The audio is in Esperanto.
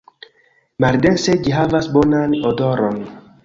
Maldense ĝi havas bonan odoron.